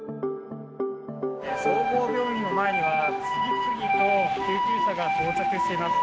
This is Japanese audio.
総合病院の前には、次々と救急車が到着しています。